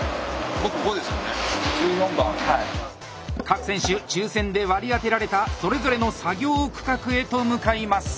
各選手抽選で割り当てられたそれぞれの作業区画へと向かいます。